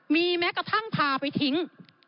มีแม้กระทั่งพาไปทิ้ง